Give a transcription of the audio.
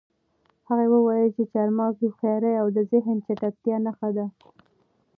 هغه وویل چې چهارمغز د هوښیارۍ او د ذهن د چټکتیا نښه ده.